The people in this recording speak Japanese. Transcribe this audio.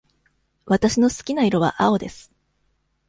わたしの好きな色は青です。